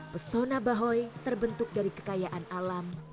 pesona bahoy terbentuk dari kekayaan alam